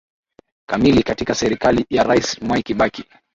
kamili katika serikali ya rais mwai kibaki